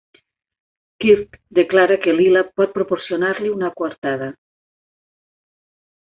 Quirt declara que Lila pot proporcionar-li una coartada.